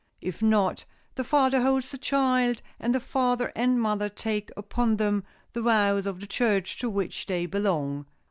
If not, the father holds the child, and the father and mother take upon them the vows of the church to which they belong.